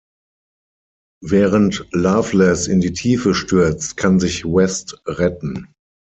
Während Loveless in die Tiefe stürzt, kann sich West retten.